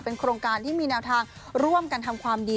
โครงการที่มีแนวทางร่วมกันทำความดี